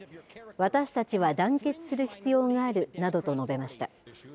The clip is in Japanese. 私たちは団結する必要があるなどと述べました。